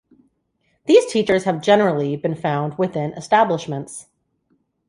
These teachers have generally been found within establishments.